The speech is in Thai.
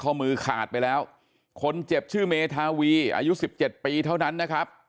ข้อมือขาดไปแล้วคนเจ็บชื่อเมธาวีอายุสิบเจ็ดปีเท่านั้นนะครับ